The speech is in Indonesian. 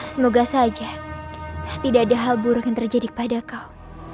semoga saja tidak ada hal buruk yang terjadi pada kau